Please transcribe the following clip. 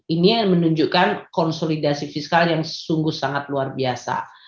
ini menunjukkan konsolidasi fiskal yang sungguh sangat luar biasa